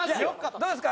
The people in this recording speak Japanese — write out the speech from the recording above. どうですか？